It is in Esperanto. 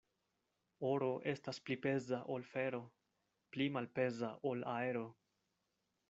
Oro estas pli peza ol fero, pli malpeza ol aero.